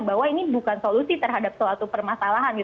bahwa ini bukan solusi terhadap suatu permasalahan